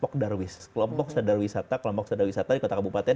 kelompok sedar wisata di kota kabupaten